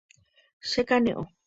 Chekane'õ.